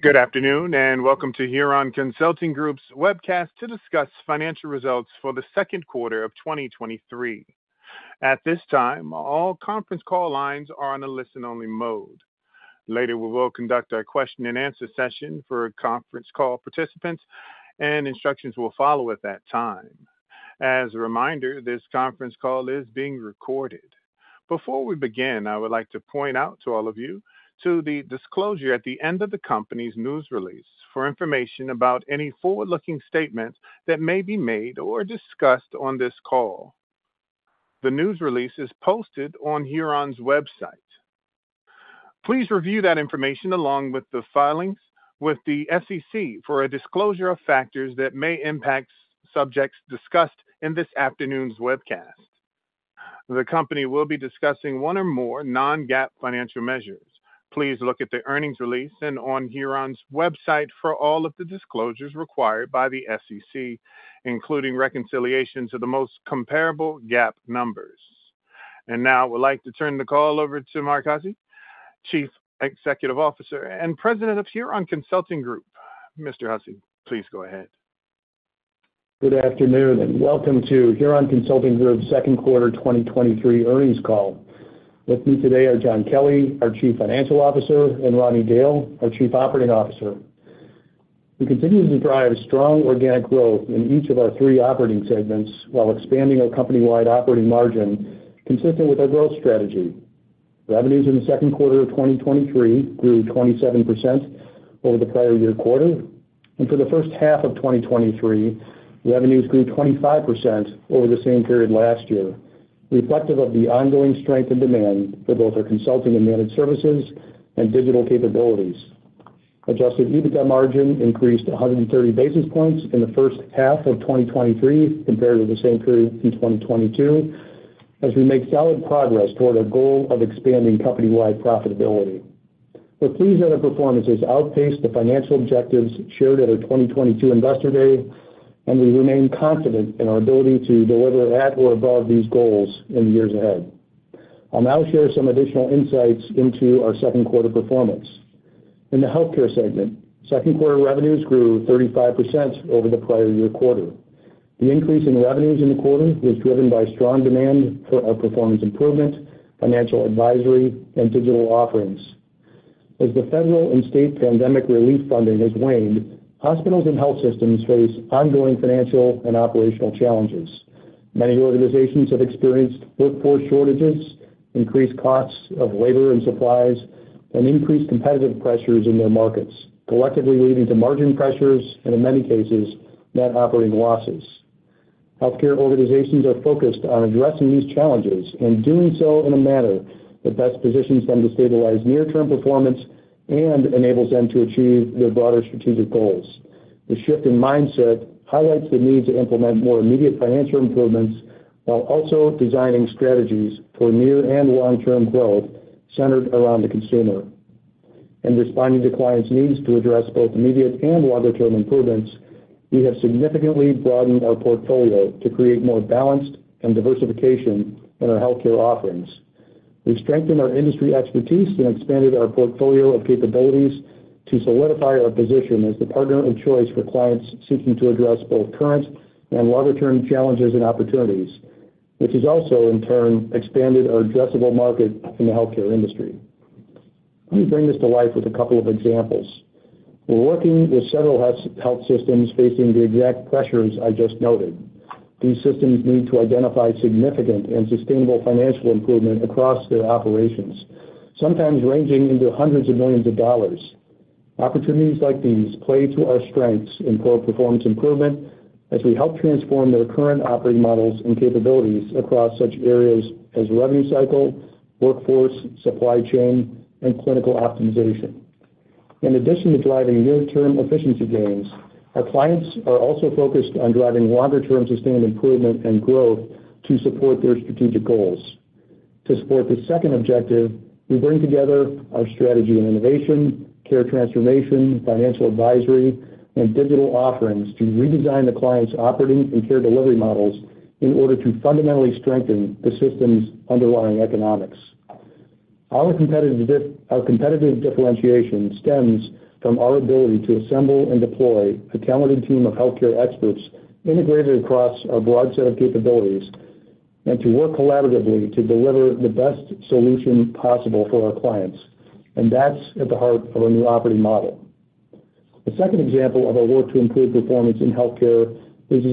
Good afternoon, welcome to Huron Consulting Group's webcast to discuss financial results for the second quarter of 2023. At this time, all conference call lines are on a listen-only mode. Later, we will conduct our question-and-answer session for conference call participants, and instructions will follow at that time. As a reminder, this conference call is being recorded. Before we begin, I would like to point out to all of you to the disclosure at the end of the company's news release for information about any forward-looking statements that may be made or discussed on this call. The news release is posted on Huron's website. Please review that information along with the filings with the SEC for a disclosure of factors that may impact subjects discussed in this afternoon's webcast. The company will be discussing one or more non-GAAP financial measures. Please look at the earnings release and on Huron's website for all of the disclosures required by the SEC, including reconciliations of the most comparable GAAP numbers. Now I would like to turn the call over to Mark Hussey, Chief Executive Officer and President of Huron Consulting Group. Mr. Hussey, please go ahead. Good afternoon, and welcome to Huron Consulting Group's second quarter 2023 earnings call. With me today are John Kelly, our Chief Financial Officer, and Ronnie Dail, our Chief Operating Officer. We continue to drive strong organic growth in each of our three operating segments while expanding our company-wide operating margin, consistent with our growth strategy. Revenues in the second quarter of 2023 grew 27% over the prior year quarter. For the first half of 2023, revenues grew 25% over the same period last year, reflective of the ongoing strength and demand for both our consulting and managed services and digital capabilities. Adjusted EBITDA margin increased 130 basis points in the first half of 2023 compared to the same period in 2022, as we make solid progress toward our goal of expanding company-wide profitability. We're pleased that our performance has outpaced the financial objectives shared at our 2022 Investor Day. We remain confident in our ability to deliver at or above these goals in the years ahead. I'll now share some additional insights into our second quarter performance. In the healthcare segment, second quarter revenues grew 35% over the prior year quarter. The increase in revenues in the quarter was driven by strong demand for our performance improvement, financial advisory, and digital offerings. As the federal and state pandemic relief funding has waned, hospitals and health systems face ongoing financial and operational challenges. Many organizations have experienced workforce shortages, increased costs of labor and supplies, and increased competitive pressures in their markets, collectively leading to margin pressures and in many cases, net operating losses. Healthcare organizations are focused on addressing these challenges and doing so in a manner that best positions them to stabilize near-term performance and enables them to achieve their broader strategic goals. The shift in mindset highlights the need to implement more immediate financial improvements, while also designing strategies for near and long-term growth centered around the consumer. In responding to clients' needs to address both immediate and longer-term improvements, we have significantly broadened our portfolio to create more balanced and diversification in our healthcare offerings. We strengthened our industry expertise and expanded our portfolio of capabilities to solidify our position as the partner of choice for clients seeking to address both current and longer-term challenges and opportunities, which has also, in turn, expanded our addressable market in the healthcare industry. Let me bring this to life with a couple of examples. We're working with several health systems facing the exact pressures I just noted. These systems need to identify significant and sustainable financial improvement across their operations, sometimes ranging into hundreds of millions of dollars. Opportunities like these play to our strengths in core performance improvement as we help transform their current operating models and capabilities across such areas as revenue cycle, workforce, supply chain, and clinical optimization. In addition to driving near-term efficiency gains, our clients are also focused on driving longer-term, sustained improvement and growth to support their strategic goals. To support this second objective, we bring together our strategy and innovation, care transformation, financial advisory, and digital offerings to redesign the client's operating and care delivery models in order to fundamentally strengthen the system's underlying economics. Our competitive our competitive differentiation stems from our ability to assemble and deploy a talented team of healthcare experts integrated across a broad set of capabilities, and to work collaboratively to deliver the best solution possible for our clients, and that's at the heart of a new operating model. The second example of our work to improve performance in healthcare is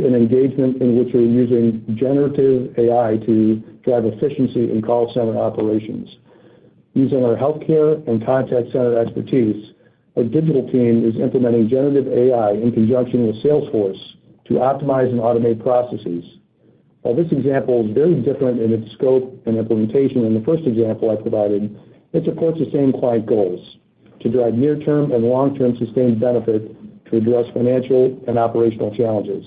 an engagement in which we're using generative AI to drive efficiency in call center operations. Using our healthcare and contact center expertise, our digital team is implementing generative AI in conjunction with Salesforce to optimize and automate processes. While this example is very different in its scope and implementation than the first example I provided, it supports the same client goals: to drive near-term and long-term sustained benefit to address financial and operational challenges.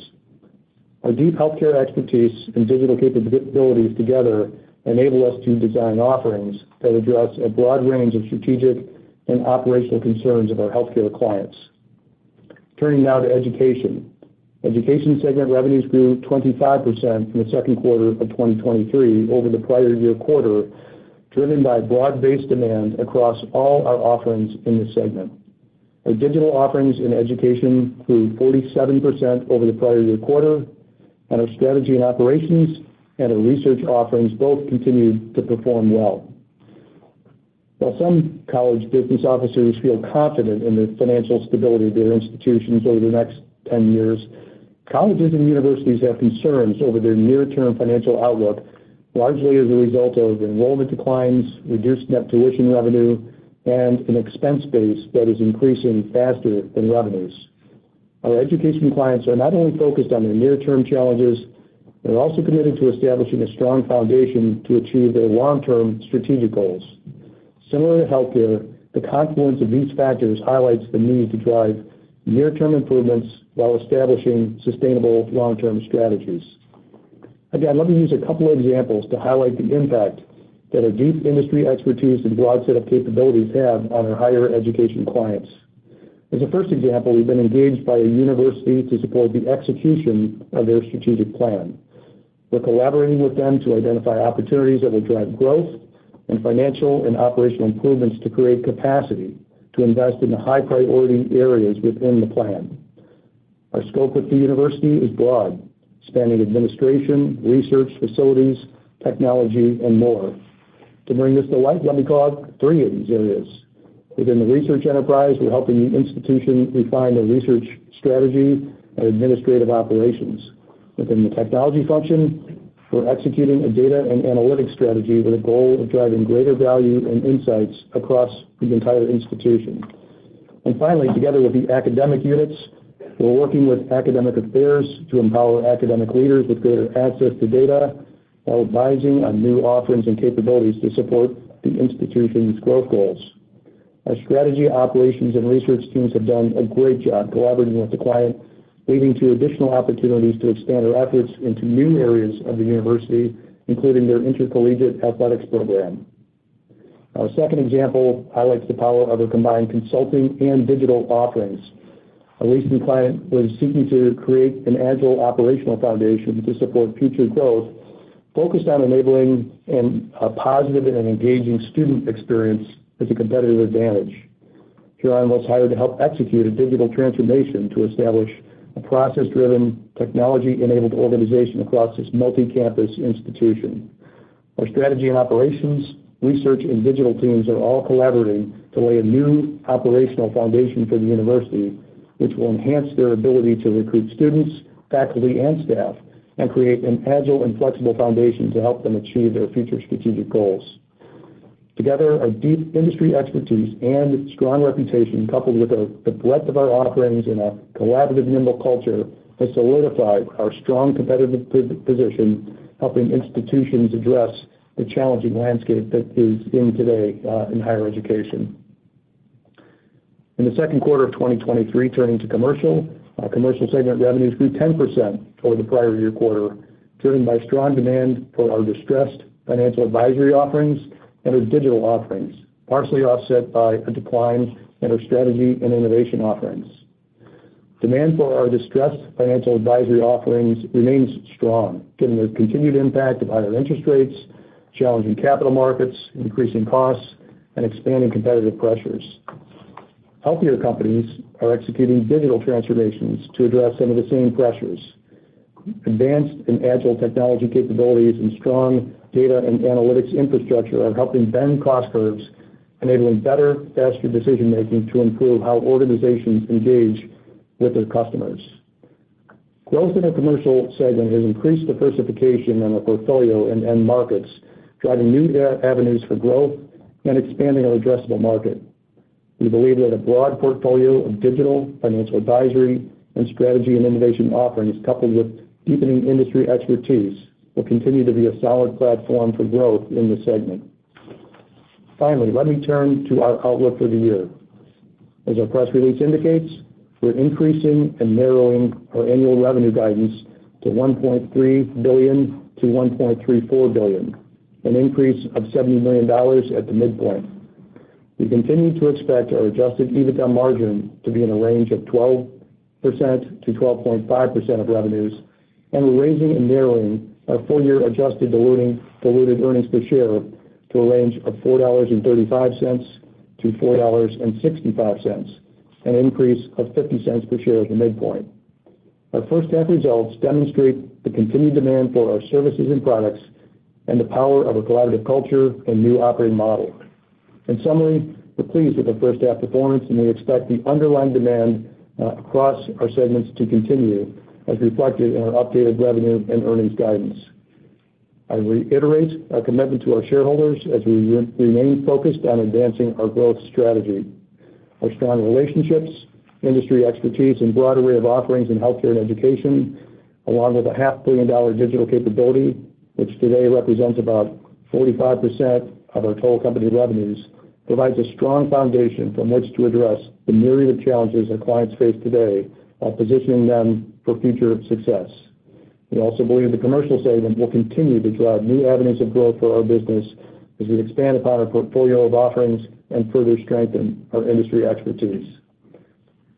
Our deep healthcare expertise and digital capabilities together enable us to design offerings that address a broad range of strategic and operational concerns of our healthcare clients. Turning now to education. Education segment revenues grew 25% from the second quarter of 2023 over the prior year quarter, driven by broad-based demand across all our offerings in this segment. Our digital offerings in education grew 47% over the prior year quarter, our strategy and operations and our research offerings both continued to perform well. While some college business officers feel confident in the financial stability of their institutions over the next 10 years, colleges and universities have concerns over their near-term financial outlook, largely as a result of enrollment declines, reduced net tuition revenue, and an expense base that is increasing faster than revenues. Our education clients are not only focused on their near-term challenges, they're also committed to establishing a strong foundation to achieve their long-term strategic goals. Similar to healthcare, the confluence of these factors highlights the need to drive near-term improvements while establishing sustainable long-term strategies. Again, let me use a couple of examples to highlight the impact that our deep industry expertise and broad set of capabilities have on our higher education clients. As a first example, we've been engaged by a university to support the execution of their strategic plan. We're collaborating with them to identify opportunities that will drive growth and financial and operational improvements to create capacity to invest in the high-priority areas within the plan. Our scope with the university is broad, spanning administration, research, facilities, technology, and more. To bring this to life, let me call out three of these areas. Within the research enterprise, we're helping the institution refine their research strategy and administrative operations. Within the technology function, we're executing a data and analytics strategy with a goal of driving greater value and insights across the entire institution. Finally, together with the academic units, we're working with academic affairs to empower academic leaders with greater access to data, while advising on new offerings and capabilities to support the institution's growth goals. Our strategy, operations, and research teams have done a great job collaborating with the client, leading to additional opportunities to expand our efforts into new areas of the university, including their intercollegiate athletics program. Our second example highlights the power of our combined consulting and digital offerings. A recent client was seeking to create an agile operational foundation to support future growth, focused on enabling a positive and engaging student experience as a competitive advantage. Huron was hired to help execute a digital transformation to establish a process-driven, technology-enabled organization across this multi-campus institution. Our strategy and operations, research, and digital teams are all collaborating to lay a new operational foundation for the university, which will enhance their ability to recruit students, faculty, and staff, and create an agile and flexible foundation to help them achieve their future strategic goals. Together, our deep industry expertise and strong reputation, coupled with the breadth of our offerings and our collaborative, nimble culture, has solidified our strong competitive position, helping institutions address the challenging landscape that is in today in higher education. In the second quarter of 2023, turning to commercial, our commercial segment revenues grew 10% over the prior year quarter, driven by strong demand for our distressed financial advisory offerings and our digital offerings, partially offset by a decline in our strategy and innovation offerings. Demand for our distressed financial advisory offerings remains strong, given the continued impact of higher interest rates, challenging capital markets, increasing costs, and expanding competitive pressures. Healthcare companies are executing digital transformations to address some of the same pressures. Advanced and agile technology capabilities and strong data and analytics infrastructure are helping bend cost curves, enabling better, faster decision-making to improve how organizations engage with their customers. Growth in our commercial segment has increased diversification in our portfolio and end markets, driving new avenues for growth and expanding our addressable market. We believe that a broad portfolio of digital, financial advisory, and strategy and innovation offerings, coupled with deepening industry expertise, will continue to be a solid platform for growth in this segment. Finally, let me turn to our outlook for the year. As our press release indicates, we're increasing and narrowing our annual revenue guidance to $1.3 billion-$1.34 billion, an increase of $70 million at the midpoint. We continue to expect our adjusted EBITDA margin to be in a range of 12%-12.5% of revenues, and we're raising and narrowing our full-year adjusted diluted earnings per share to a range of $4.35-$4.65, an increase of $0.50 per share at the midpoint. Our first half results demonstrate the continued demand for our services and products and the power of a collaborative culture and new operating model. In summary, we're pleased with our first half performance, and we expect the underlying demand across our segments to continue, as reflected in our updated revenue and earnings guidance. I reiterate our commitment to our shareholders as we remain focused on advancing our growth strategy. Our strong relationships, industry expertise, and broad array of offerings in healthcare and education, along with a $500 million digital capability, which today represents about 45% of our total company revenues, provides a strong foundation from which to address the myriad of challenges our clients face today while positioning them for future success. We also believe the commercial segment will continue to drive new avenues of growth for our business as we expand upon our portfolio of offerings and further strengthen our industry expertise.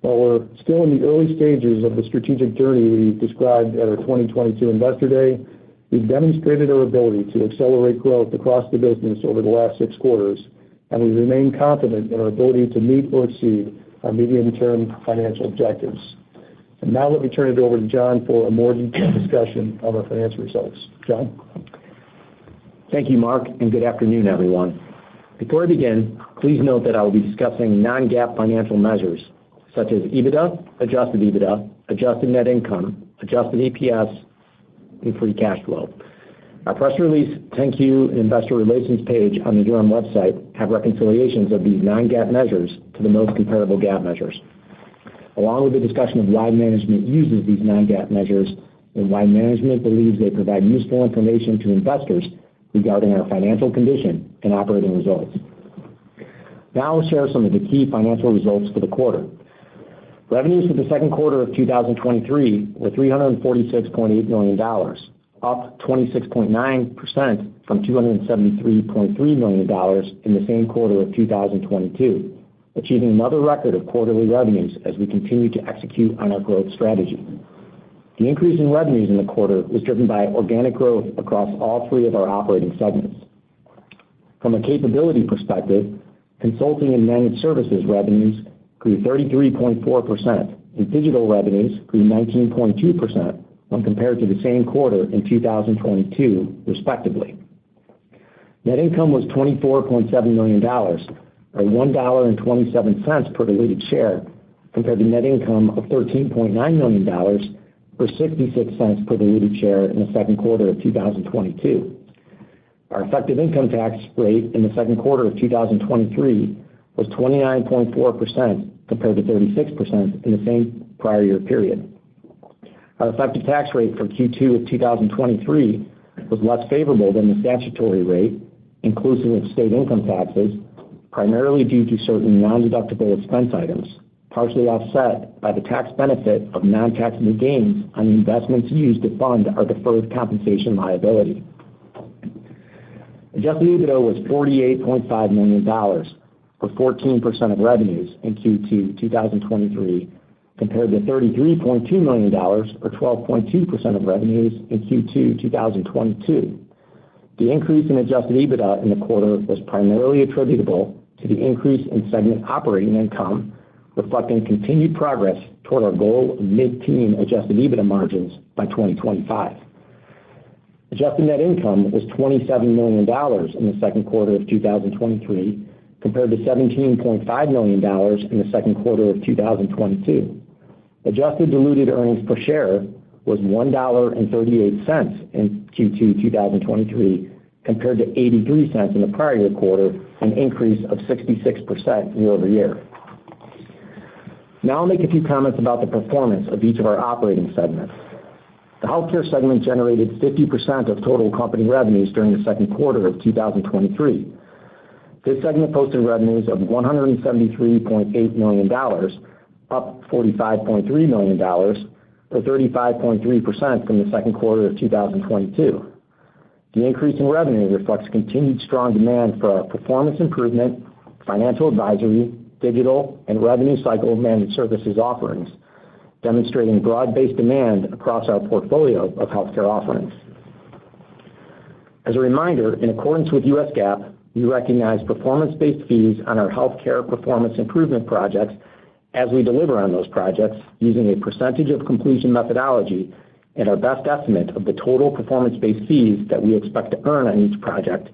While we're still in the early stages of the strategic journey we described at our 2022 Investor Day, we've demonstrated our ability to accelerate growth across the business over the last six quarters, and we remain confident in our ability to meet or exceed our medium-term financial objectives. Now let me turn it over to John for a more detailed discussion of our financial results. John? Thank you, Mark. Good afternoon, everyone. Before I begin, please note that I will be discussing non-GAAP financial measures such as EBITDA, adjusted EBITDA, adjusted net income, adjusted EPS, and free cash flow. Our press release and investor relations page on the Huron website have reconciliations of these non-GAAP measures to the most comparable GAAP measures. Along with the discussion of why management uses these non-GAAP measures and why management believes they provide useful information to investors regarding our financial condition and operating results. Now I'll share some of the key financial results for the quarter. Revenues for the second quarter of 2023 were $346.8 million, up 26.9% from $273.3 million in the same quarter of 2022, achieving another record of quarterly revenues as we continue to execute on our growth strategy. The increase in revenues in the quarter was driven by organic growth across all three of our operating segments. From a capability perspective, consulting and managed services revenues grew 33.4%, and digital revenues grew 19.2% when compared to the same quarter in 2022, respectively. Net income was $24.7 million, or $1.27 per diluted share, compared to net income of $13.9 million, or $0.66 per diluted share in the second quarter of 2022. Our effective income tax rate in the second quarter of 2023 was 29.4%, compared to 36% in the same prior year period. Our effective tax rate for Q2 of 2023 was less favorable than the statutory rate, inclusive of state income taxes, primarily due to certain nondeductible expense items, partially offset by the tax benefit of nontaxable gains on investments used to fund our deferred compensation liability. Adjusted EBITDA was $48.5 million, or 14% of revenues in Q2 2023, compared to $33.2 million, or 12.2% of revenues in Q2 2022. The increase in adjusted EBITDA in the quarter was primarily attributable to the increase in segment operating income, reflecting continued progress toward our goal of mid-teen adjusted EBITDA margins by 2025. Adjusted net income was $27 million in the second quarter of 2023, compared to $17.5 million in the second quarter of 2022. Adjusted diluted earnings per share was $1.38 in Q2 2023, compared to $0.83 in the prior year quarter, an increase of 66% year-over-year. Now I'll make a few comments about the performance of each of our operating segments. The healthcare segment generated 50% of total company revenues during the second quarter of 2023. This segment posted revenues of $173.8 million, up $45.3 million, or 35.3% from the second quarter of 2022. The increase in revenue reflects continued strong demand for our performance improvement, financial advisory, digital, and revenue cycle managed services offerings, demonstrating broad-based demand across our portfolio of healthcare offerings. As a reminder, in accordance with US GAAP, we recognize performance-based fees on our healthcare performance improvement projects as we deliver on those projects, using a percentage of completion methodology and our best estimate of the total performance-based fees that we expect to earn on each project,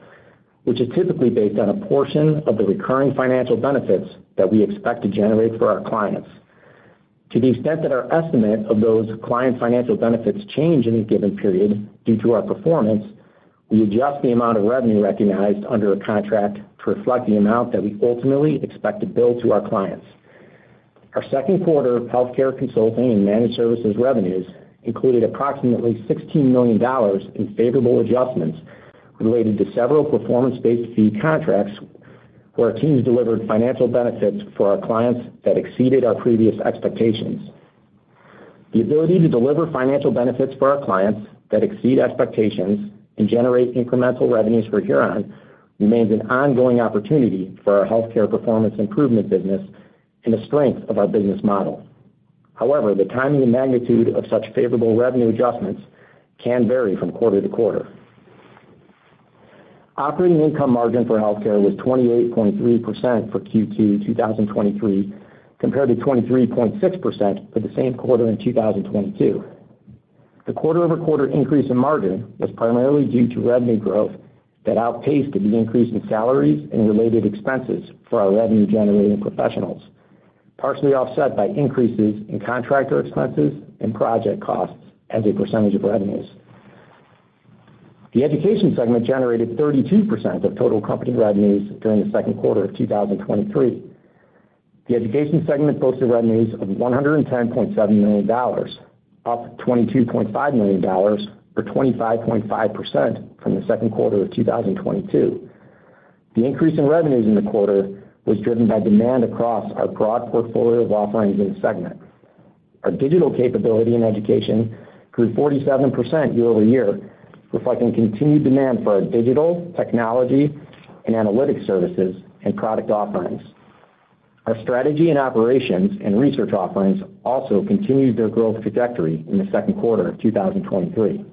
which is typically based on a portion of the recurring financial benefits that we expect to generate for our clients. To the extent that our estimate of those client financial benefits change in a given period due to our performance, we adjust the amount of revenue recognized under a contract to reflect the amount that we ultimately expect to bill to our clients. Our second quarter of healthcare consulting and managed services revenues included approximately $16 million in favorable adjustments related to several performance-based fee contracts, where our teams delivered financial benefits for our clients that exceeded our previous expectations. The ability to deliver financial benefits for our clients that exceed expectations and generate incremental revenues for Huron remains an ongoing opportunity for our healthcare performance improvement business and the strength of our business model. However, the timing and magnitude of such favorable revenue adjustments can vary from quarter-to-quarter. Operating income margin for healthcare was 28.3% for Q2 2023, compared to 23.6% for the same quarter in 2022. The quarter-over-quarter increase in margin was primarily due to revenue growth that outpaced the increase in salaries and related expenses for our revenue-generating professionals, partially offset by increases in contractor expenses and project costs as a percentage of revenues. The education segment generated 32% of total company revenues during the second quarter of 2023. The education segment posted revenues of $110.7 million, up $22.5 million, or 25.5% from the second quarter of 2022. The increase in revenues in the quarter was driven by demand across our broad portfolio of offerings in the segment. Our digital capability in education grew 47% year-over-year, reflecting continued demand for our digital, technology, and analytics services and product offerings. Our strategy and operations and research offerings also continued their growth trajectory in the second quarter of 2023.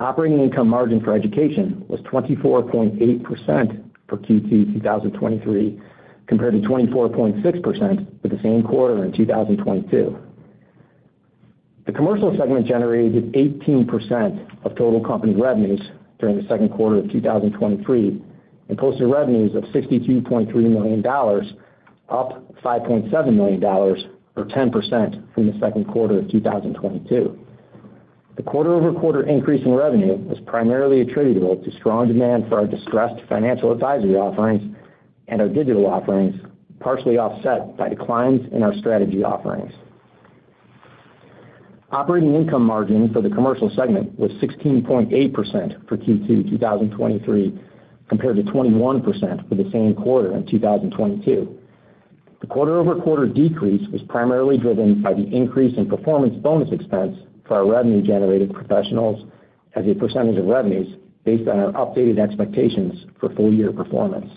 Operating income margin for education was 24.8% for Q2 2023, compared to 24.6% for the same quarter in 2022. The commercial segment generated 18% of total company revenues during the second quarter of 2023, and posted revenues of $62.3 million, up $5.7 million, or 10% from the second quarter of 2022. The quarter-over-quarter increase in revenue was primarily attributable to strong demand for our distressed financial advisory offerings and our digital offerings, partially offset by declines in our strategy offerings. Operating income margin for the commercial segment was 16.8% for Q2 2023, compared to 21% for the same quarter in 2022. The quarter-over-quarter decrease was primarily driven by the increase in performance bonus expense for our revenue-generated professionals as a percentage of revenues based on our updated expectations for full year performance.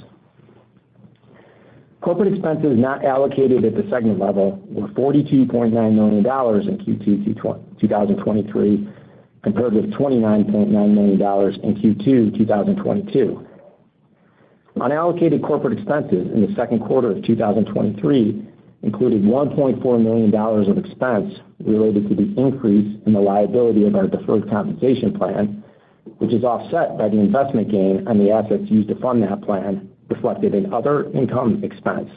Corporate expenses not allocated at the segment level were $42.9 million in Q2 2023, compared with $29.9 million in Q2 2022. Unallocated corporate expenses in the second quarter of 2023 included $1.4 million of expense related to the increase in the liability of our deferred compensation plan, which is offset by the investment gain on the assets used to fund that plan, reflected in other income expense.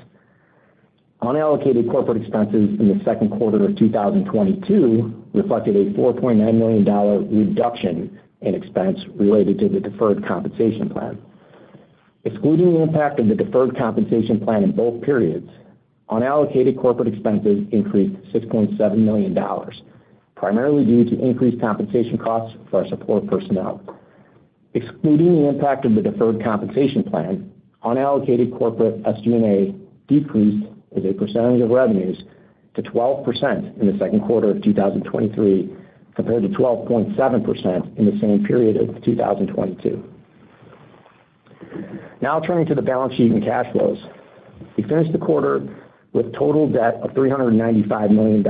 Unallocated corporate expenses in the second quarter of 2022 reflected a $4.9 million reduction in expense related to the deferred compensation plan. Excluding the impact of the deferred compensation plan in both periods, unallocated corporate expenses increased $6.7 million, primarily due to increased compensation costs for our support personnel. Excluding the impact of the deferred compensation plan, unallocated corporate SG&A decreased as a percentage of revenues to 12% in the second quarter of 2023, compared to 12.7% in the same period of 2022. Now turning to the balance sheet and cash flows. We finished the quarter with total debt of $395 million,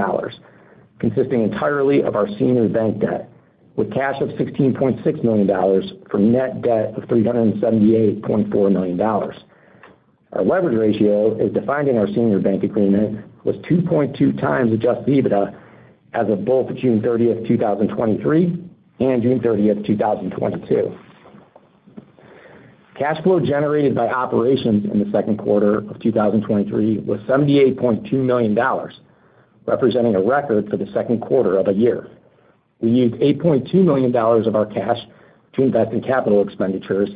consisting entirely of our senior bank debt, with cash of $16.6 million for net debt of $378.4 million. Our leverage ratio, as defined in our senior bank agreement, was 2.2x adjusted EBITDA as of both June 30th, 2023, and June 30th, 2022. Cash flow generated by operations in the second quarter of 2023 was $78.2 million, representing a record for the second quarter of a year. We used $8.2 million of our cash to invest in capital expenditures,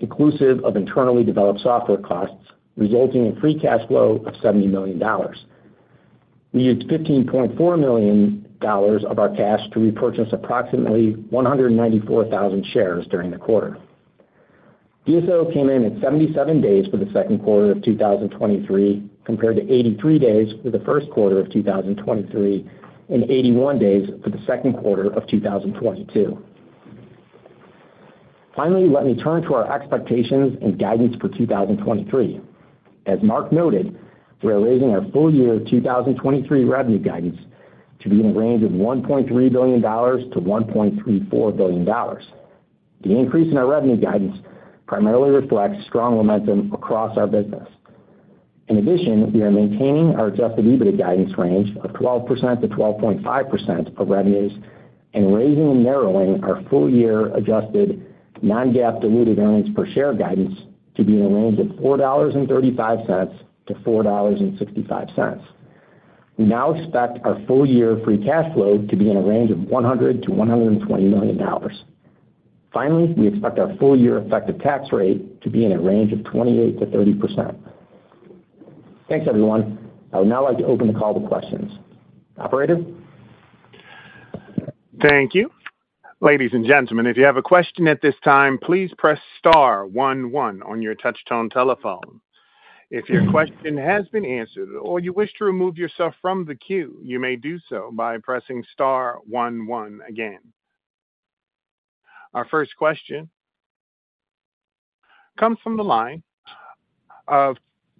inclusive of internally developed software costs, resulting in free cash flow of $70 million. We used $15.4 million of our cash to repurchase approximately 194,000 shares during the quarter. DSO came in at 77 days for the second quarter of 2023, compared to 83 days for the first quarter of 2023, and 81 days for the second quarter of 2022. Finally, let me turn to our expectations and guidance for 2023. As Mark noted, we are raising our full year 2023 revenue guidance to be in a range of $1.3 billion-$1.34 billion. The increase in our revenue guidance primarily reflects strong momentum across our business. In addition, we are maintaining our adjusted EBITDA guidance range of 12%-12.5% of revenues, and raising and narrowing our full year adjusted non-GAAP diluted earnings per share guidance to be in a range of $4.35-$4.65. We now expect our full year free cash flow to be in a range of $100 million-$120 million. Finally, we expect our full year effective tax rate to be in a range of 28%-30%. Thanks, everyone. I would now like to open the call to questions. Operator? Thank you. Ladies and gentlemen, if you have a question at this time, please press star one, one on your touch-tone telephone. If your question has been answered or you wish to remove yourself from the queue, you may do so by pressing star one, one again. Our first question comes from the line of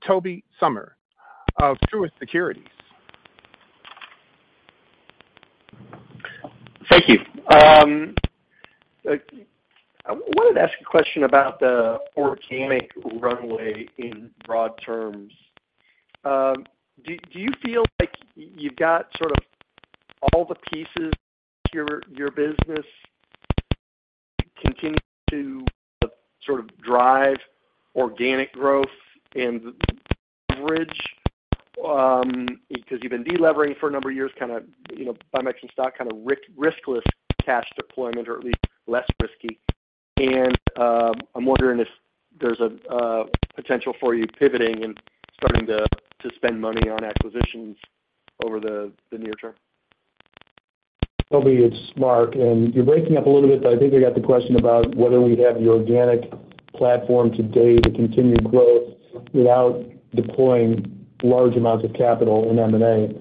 Tobey Sommer of Truist Securities. Thank you. I wanted to ask a question about the organic runway in broad terms. Do, do you feel like you've got sort of all the pieces your, your business continuing to sort of drive organic growth and bridge? Because you've been delevering for a number of years, kinda, you know, buyback some stock, kinda riskless cash deployment, or at least less risky. I'm wondering if there's a potential for you pivoting and starting to, to spend money on acquisitions over the near term? ... Tobey, it's Mark, and you're breaking up a little bit, but I think I got the question about whether we have the organic platform today to continue growth without deploying large amounts of capital in M&A.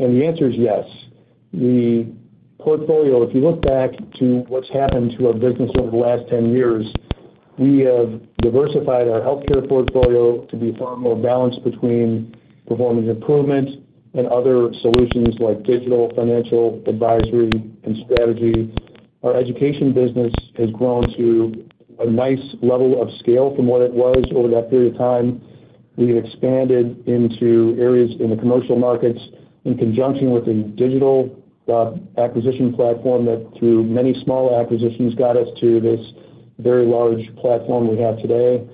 The answer is yes. The portfolio, if you look back to what's happened to our business over the last 10 years, we have diversified our healthcare portfolio to be far more balanced between performance improvement and other solutions like digital, financial, advisory, and strategy. Our education business has grown to a nice level of scale from what it was over that period of time. We've expanded into areas in the commercial markets in conjunction with a digital acquisition platform that, through many small acquisitions, got us to this very large platform we have today.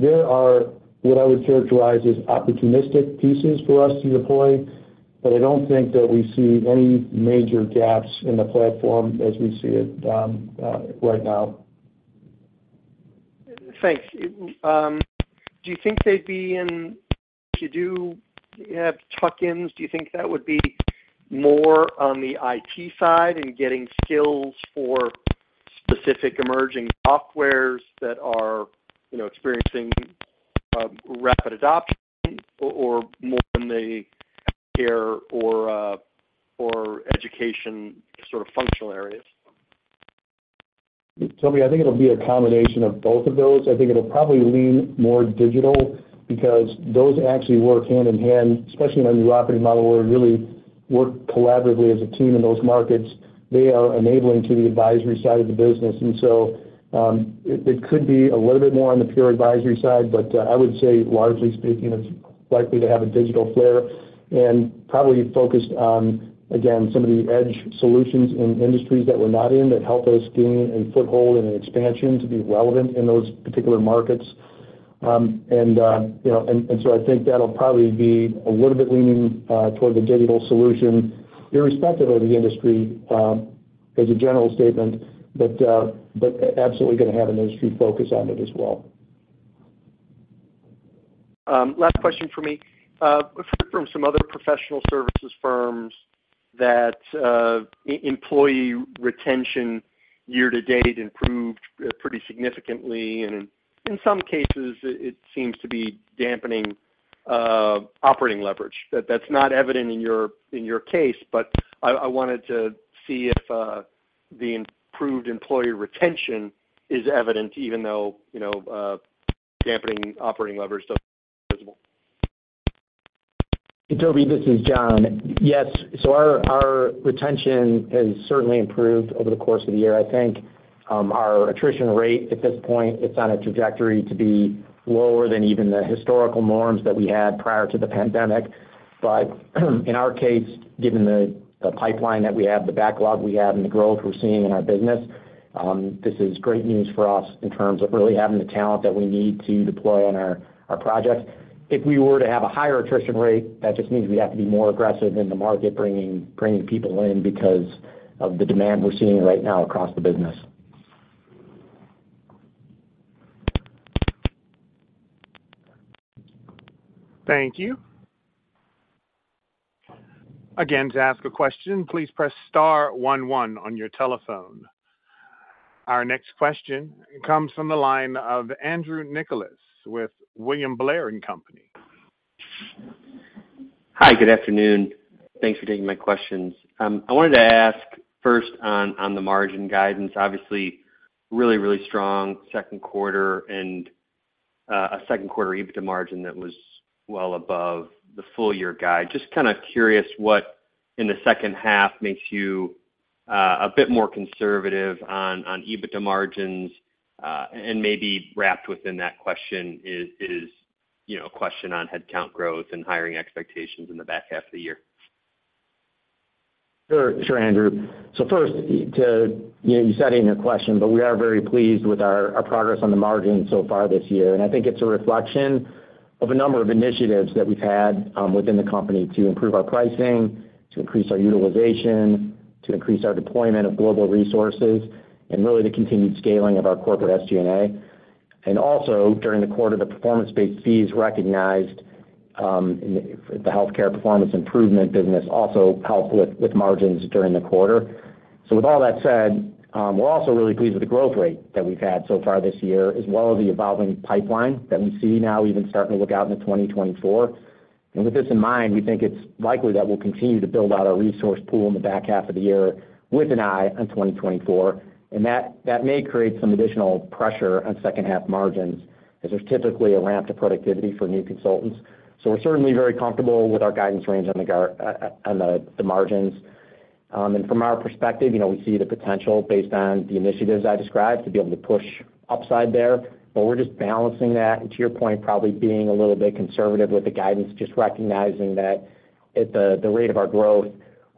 There are what I would characterize as opportunistic pieces for us to deploy, but I don't think that we see any major gaps in the platform as we see it, right now. Thanks. Do you think they'd be If you do have tuck-ins, do you think that would be more on the IT side and getting skills for specific emerging softwares that are, you know, experiencing rapid adoption or, or more in the care or, or education sort of functional areas? Tobey, I think it'll be a combination of both of those. I think it'll probably lean more digital because those actually work hand in hand, especially in our new operating model, where we really work collaboratively as a team in those markets. They are enabling to the advisory side of the business. So, it, it could be a little bit more on the pure advisory side, but I would say, largely speaking, it's likely to have a digital flair and probably focused on, again, some of the edge solutions in industries that we're not in, that help us gain a foothold and an expansion to be relevant in those particular markets. You know, I think that'll probably be a little bit leaning toward the digital solution, irrespective of the industry, as a general statement, but absolutely going to have an industry focus on it as well. Last question for me. We've heard from some other professional services firms that employee retention year to date improved pretty significantly, and in some cases, it seems to be dampening operating leverage. That's not evident in your, in your case, but I wanted to see if the improved employee retention is evident, even though, you know, dampening operating leverage doesn't visible. Hey, Tobey, this is John. Yes, our retention has certainly improved over the course of the year. I think, our attrition rate at this point, it's on a trajectory to be lower than even the historical norms that we had prior to the pandemic. In our case, given the pipeline that we have, the backlog we have, and the growth we're seeing in our business, this is great news for us in terms of really having the talent that we need to deploy on our projects. If we were to have a higher attrition rate, that just means we'd have to be more aggressive in the market, bringing people in because of the demand we're seeing right now across the business. Thank you. Again, to ask a question, please press star one, one on your telephone. Our next question comes from the line of Andrew Nicholas with William Blair & Company. Hi, good afternoon. Thanks for taking my questions. I wanted to ask first on, on the margin guidance, obviously, really, really strong second quarter and a second quarter EBITDA margin that was well above the full-year guide. Just kind of curious what, in the second half, makes you a bit more conservative on, on EBITDA margins? Maybe wrapped within that question is, is, you know, a question on headcount growth and hiring expectations in the back half of the year. Sure. Sure, Andrew. First, You, you said it in your question, but we are very pleased with our, our progress on the margin so far this year, and I think it's a reflection of a number of initiatives that we've had within the company to improve our pricing, to increase our utilization, to increase our deployment of global resources, and really, the continued scaling of our corporate SG&A. Also, during the quarter, the performance-based fees recognized, the healthcare performance improvement business also helped with, with margins during the quarter. With all that said, we're also really pleased with the growth rate that we've had so far this year, as well as the evolving pipeline that we see now even starting to look out into 2024. With this in mind, we think it's likely that we'll continue to build out our resource pool in the back half of the year with an eye on 2024, and that, that may create some additional pressure on second half margins, as there's typically a ramp to productivity for new consultants. We're certainly very comfortable with our guidance range on the, the margins. From our perspective, you know, we see the potential based on the initiatives I described, to be able to push upside there. We're just balancing that, and to your point, probably being a little bit conservative with the guidance, just recognizing that at the, the rate of our growth,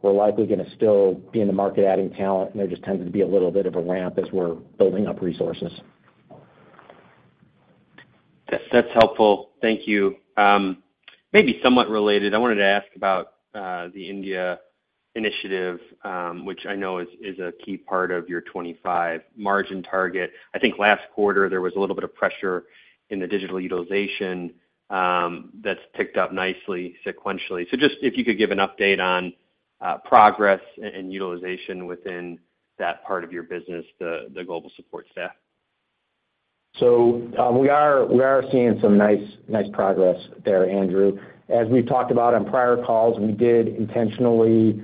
we're likely going to still be in the market adding talent, and there just tends to be a little bit of a ramp as we're building up resources. That's, that's helpful. Thank you. Maybe somewhat related, I wanted to ask about the India initiative, which I know is a key part of your 25 margin target. I think last quarter, there was a little bit of pressure in the digital utilization, that's picked up nicely sequentially. Just if you could give an update on progress and utilization within that part of your business, the global support staff.... We are, we are seeing some nice, nice progress there, Andrew. As we've talked about on prior calls, we did intentionally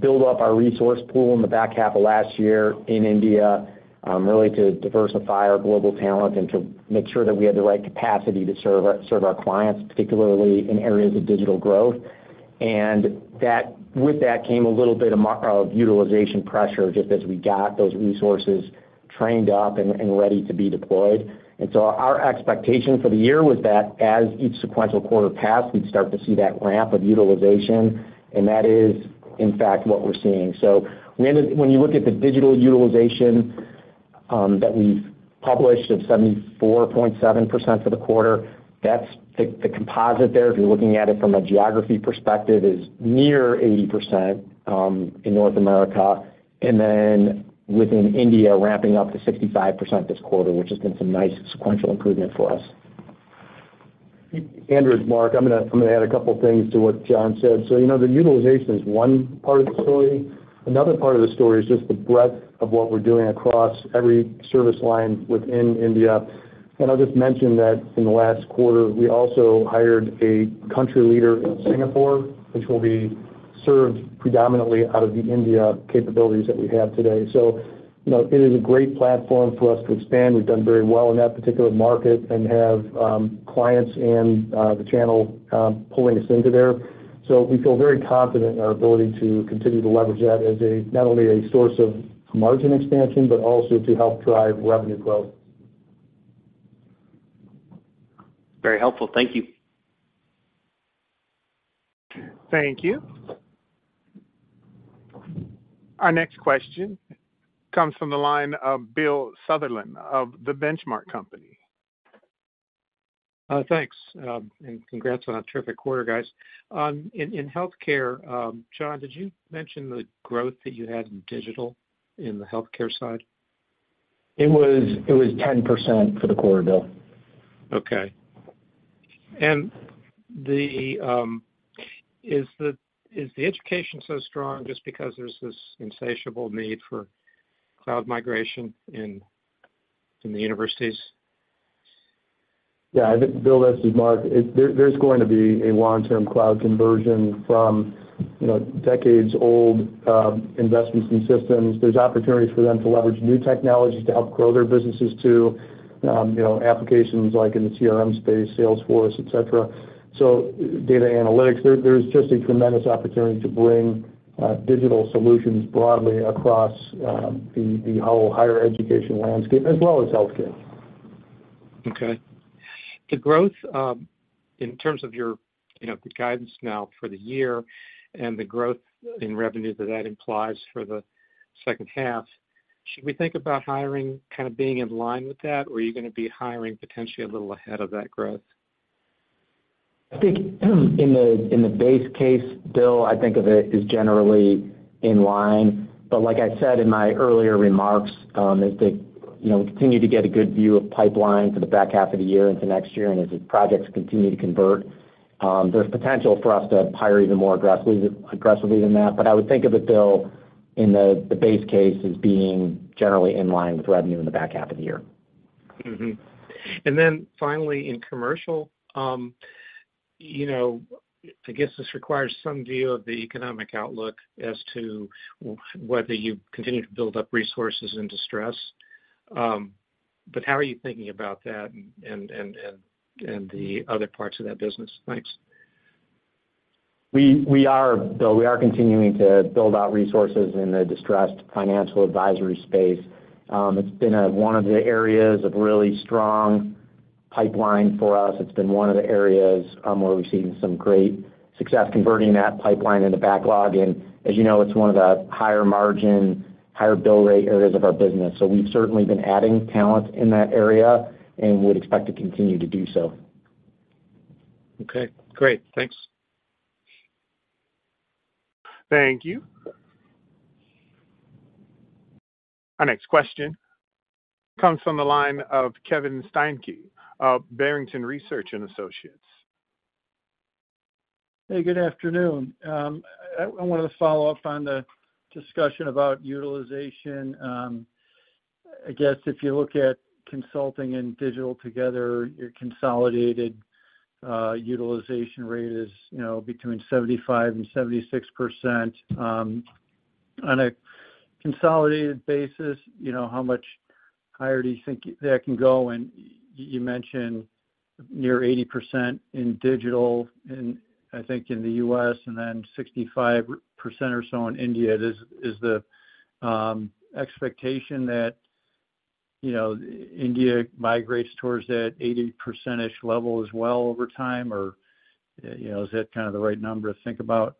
build up our resource pool in the back half of last year in India, really to diversify our global talent and to make sure that we had the right capacity to serve our, serve our clients, particularly in areas of digital growth. That, with that came a little bit of utilization pressure, just as we got those resources trained up and, and ready to be deployed. Our expectation for the year was that as each sequential quarter passed, we'd start to see that ramp of utilization, and that is, in fact, what we're seeing. When, when you look at the digital utilization, that we've published of 74.7% for the quarter, that's the, the composite there, if you're looking at it from a geography perspective, is near 80%, in North America, and then within India, ramping up to 65% this quarter, which has been some nice sequential improvement for us. Andrew, Mark, I'm gonna add a couple things to what John said. You know, the utilization is one part of the story. Another part of the story is just the breadth of what we're doing across every service line within India. And I'll just mention that in the last quarter, we also hired a country leader in Singapore, which will be served predominantly out of the India capabilities that we have today. You know, it is a great platform for us to expand. We've done very well in that particular market and have clients in the channel pulling us into there. We feel very confident in our ability to continue to leverage that as a, not only a source of margin expansion, but also to help drive revenue growth. Very helpful. Thank you. Thank you. Our next question comes from the line of Bill Sutherland of The Benchmark Company. Thanks, and congrats on a terrific quarter, guys. In, in healthcare, John, did you mention the growth that you had in digital in the healthcare side? It was, it was 10% for the quarter, Bill. Okay. Is the education so strong just because there's this insatiable need for cloud migration in, in the universities? Yeah, I think, Bill, this is Mark. There, there's going to be a long-term cloud conversion from, you know, decades-old, investments in systems. There's opportunities for them to leverage new technologies to help grow their businesses too, you know, applications like in the CRM space, Salesforce, et cetera. Data analytics, there, there's just a tremendous opportunity to bring digital solutions broadly across the whole higher education landscape, as well as healthcare. Okay. The growth, in terms of your, you know, the guidance now for the year and the growth in revenue that, that implies for the second half, should we think about hiring kind of being in line with that, or are you gonna be hiring potentially a little ahead of that growth? I think, in the, in the base case, Bill, I think of it as generally in line. Like I said in my earlier remarks, as the, you know, we continue to get a good view of pipeline for the back half of the year into next year, as the projects continue to convert, there's potential for us to hire even more aggressively, aggressively than that. I would think of it, Bill, in the, the base case as being generally in line with revenue in the back half of the year. Mm-hmm. Then finally, in commercial, you know, I guess this requires some view of the economic outlook as to whether you continue to build up resources in distress. How are you thinking about that and, and, and, and the other parts of that business? Thanks. We, we are, Bill, we are continuing to build out resources in the distressed financial advisory space. It's been one of the areas of really strong pipeline for us. It's been one of the areas where we've seen some great success converting that pipeline into backlog. As you know, it's one of the higher margin, higher bill rate areas of our business. We've certainly been adding talent in that area and would expect to continue to do so. Okay, great. Thanks. Thank you. Our next question comes from the line of Kevin Steinke of Barrington Research Associates. Hey, good afternoon. I, I wanted to follow up on the discussion about utilization. I guess if you look at consulting and digital together, your consolidated utilization rate is, you know, between 75% and 76%. On a consolidated basis, you know, how much higher do you think that can go? You mentioned near 80% in digital, and I think in the U.S., and then 65% or so in India. Is the expectation that, you know, India migrates towards that 80%-ish level as well over time? You know, is that kind of the right number to think about?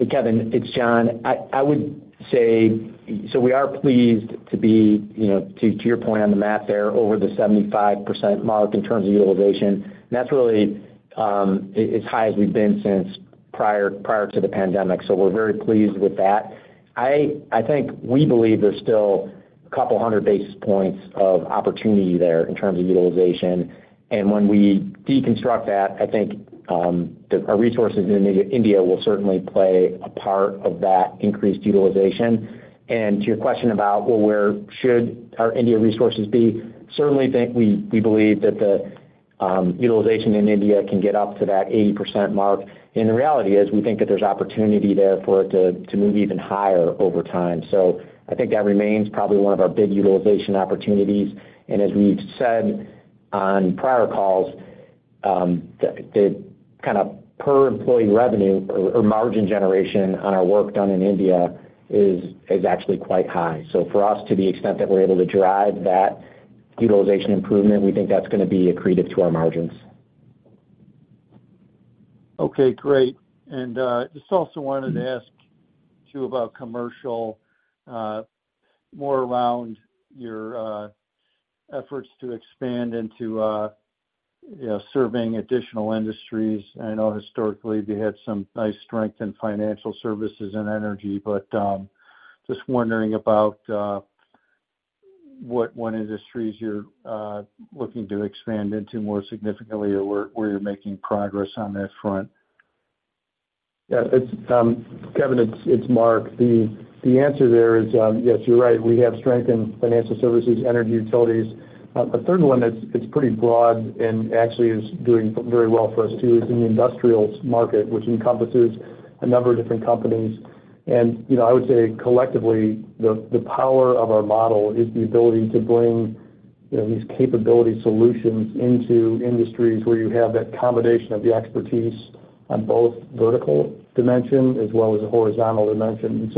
Hey, Kevin, it's John. We are pleased to be, you know, to, to your point on the math there, over the 75% mark in terms of utilization. That's really as, as high as we've been since prior, prior to the pandemic, so we're very pleased with that. I think we believe there's still a couple hundred basis points of opportunity there in terms of utilization. When we deconstruct that, I think, our resources in India will certainly play a part of that increased utilization. To your question about, well, where should our India resources be? Certainly think we, we believe that utilization in India can get up to that 80% mark. The reality is, we think that there's opportunity there for it to, to move even higher over time. I think that remains probably one of our big utilization opportunities. As we've said on prior calls, the kind of per employee revenue or margin generation on our work done in India is actually quite high. For us, to the extent that we're able to drive that utilization improvement, we think that's gonna be accretive to our margins. Okay, great. Just also wanted to ask too, about commercial, more around your efforts to expand into, you know, serving additional industries. I know historically, you had some nice strength in financial services and energy, just wondering about what, what industries you're looking to expand into more significantly or where, where you're making progress on that front? Yeah, it's Kevin, it's Mark. The answer there is, yes, you're right. We have strength in financial services, energy, utilities. The third one, it's pretty broad and actually is doing very well for us too, is in the industrials market, which encompasses a number of different companies. You know, I would say collectively, the power of our model is the ability to bring, you know, these capability solutions into industries where you have that combination of the expertise on both vertical dimension as well as a horizontal dimension.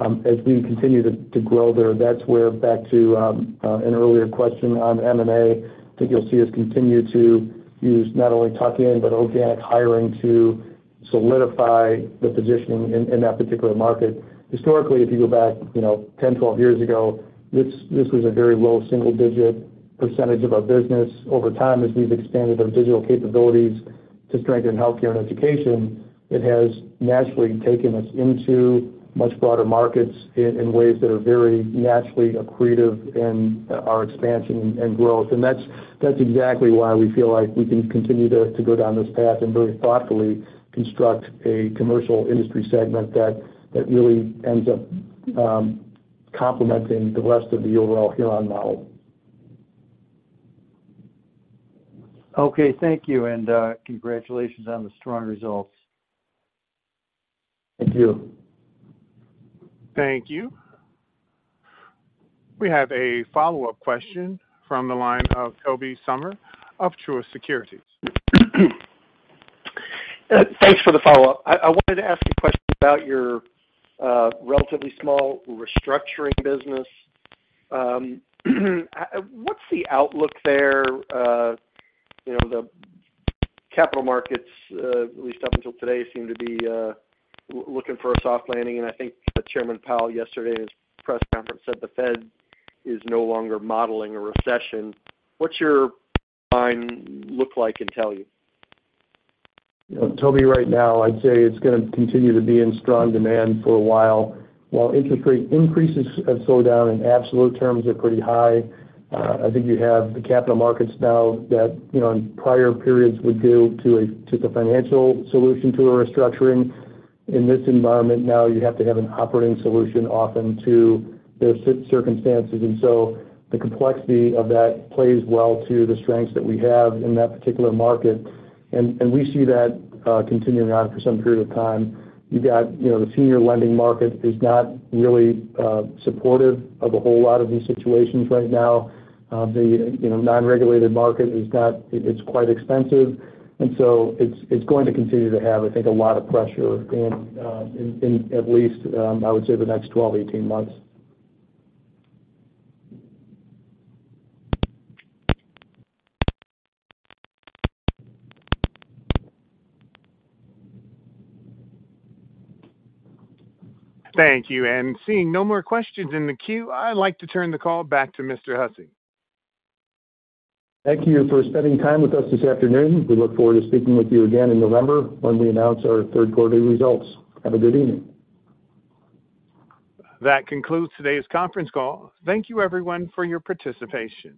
As we continue to grow there, that's where back to an earlier question on M&A, I think you'll see us continue to use not only tuck-in, but organic hiring to solidify the positioning in that particular market. Historically, if you go back, you know, 10, 12 years ago, this, this was a very low single-digit percentage of our business. Over time, as we've expanded our digital capabilities to strengthen healthcare and education, it has naturally taken us into much broader markets in, in ways that are very naturally accretive in our expansion and growth. That's, that's exactly why we feel like we can continue to, to go down this path and very thoughtfully construct a commercial industry segment that, that really ends up, complementing the rest of the overall Huron model. Okay, thank you, and congratulations on the strong results. Thank you. Thank you. We have a follow-up question from the line of Tobey Sommer of Truist Securities. Thanks for the follow-up. I, I wanted to ask you a question about your relatively small restructuring business. What's the outlook there? You know, the capital markets, at least up until today, seem to be looking for a soft landing. And I think Chairman Powell yesterday, in his press conference, said the Fed is no longer modeling a recession. What's your line look like and tell you? You know, Tobey, right now, I'd say it's gonna continue to be in strong demand for a while. While interest rate increases have slowed down in absolute terms are pretty high, I think you have the capital markets now that, you know, in prior periods would go to a, to the financial solution to a restructuring. In this environment now, you have to have an operating solution often to those circumstances. The complexity of that plays well to the strengths that we have in that particular market, and we see that continuing on for some period of time. You've got, you know, the senior lending market is not really supportive of a whole lot of these situations right now. The, you know, non-regulated market it's quite expensive, and so it's, it's going to continue to have, I think, a lot of pressure in, in, in at least, I would say the next 12, 18 months. Thank you, and seeing no more questions in the queue, I'd like to turn the call back to Mr. Hussey. Thank you for spending time with us this afternoon. We look forward to speaking with you again in November, when we announce our third quarterly results. Have a good evening. That concludes today's conference call. Thank you everyone for your participation.